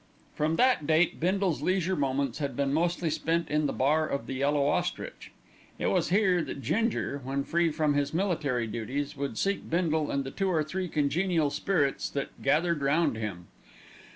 From that date Bindle's leisure moments had been mostly spent in the bar of The Yellow Ostrich. It was here that Ginger, when free from his military duties, would seek Bindle and the two or three congenial spirits that gathered round him.